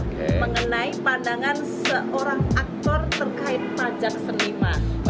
mengenai pandangan seorang aktor terkait pajak selima